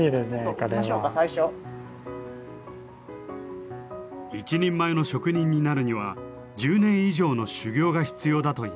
一人前の職人になるには１０年以上の修業が必要だといいます。